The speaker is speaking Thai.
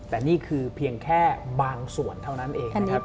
แต่นี่คือเพียงแค่บางส่วนเท่านั้นเองนะครับ